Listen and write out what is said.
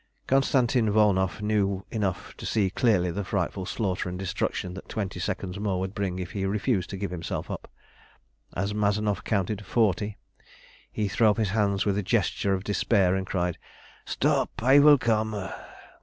Konstantin Volnow knew enough to see clearly the frightful slaughter and destruction that twenty seconds more would bring if he refused to give himself up. As Mazanoff counted "forty" he threw up his hands with a gesture of despair, and cried "Stop! I will come.